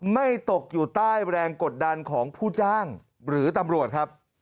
ไม่ตกอยู่ใต้แรงกดดันของผู้จ้างหรือตำรวจครับ